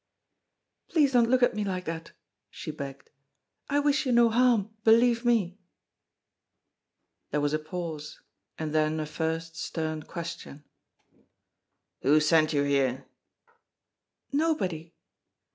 "Please don't look at me like that," she begged. "I wish you no harm, believe me!" There was a pause, and then a first stern question. "Who sent you here?" "Nobody."